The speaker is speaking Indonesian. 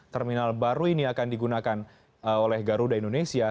terminal baru ini akan digunakan oleh garuda indonesia